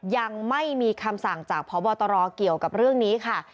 ยังไม่มีคำสั่งจากพบตรเกี่ยวกับเรื่องนี้ค่ะ